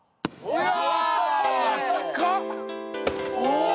うわ！